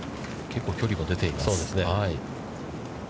結構、距離も出ています。